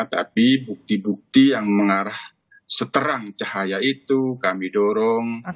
tapi bukti bukti yang mengarah seterang cahaya itu kami dorong